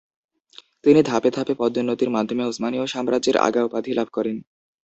তিনি ধাপে ধাপে পদোন্নতির মাধ্যমে উসমানীয় সাম্রাজ্যের আগা উপাধি লাভ করেন।